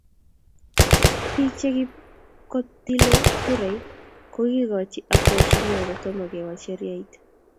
Bik chikipkotile kurait kokikingolochi ak waheshimiwa kotom kewal sheriyait.